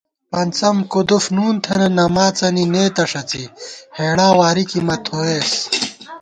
پنڅَم کُدُف نُون تھنہ، نماڅَنی نېتہ ݭڅی، ہېڑا واری کی مہ تھویېس